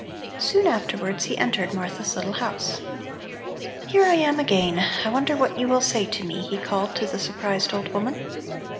Soon afterwards he entered Martha's little house. "Here I am again. I wonder what you will say to me?" he called to the surprised old woman.